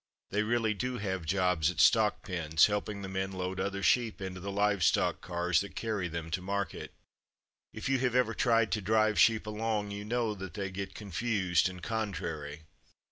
They really do have jobs at stock pens, helping the men load other sheep into the livestock cars that carry them to market. If you have ever tried to drive sheep along, you know that they get confused and contrary.